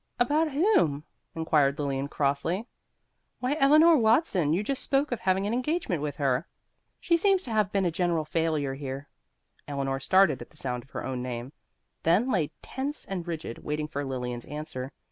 "About whom?" inquired Lilian crossly. "Why, Eleanor Watson; you just spoke of having an engagement with her. She seems to have been a general failure here." Eleanor started at the sound of her own name, then lay tense and rigid, waiting for Lilian's answer.